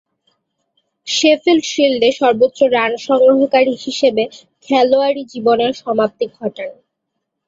Sheffield শিল্ডে সর্বোচ্চ run সংগ্রহকারী হিসেবে খেলোয়াড়ী জীবনের সমাপ্তি ঘটান।